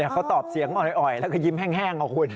เขาตอบเสียงอ่อยแล้วก็ยิ้มแห้งเอาคุณ